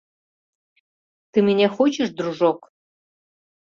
— Ты меня хочешь, дружок?..